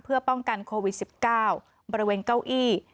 เพื่อป้องกันโควิด๑๙บริเวณเก้าอี้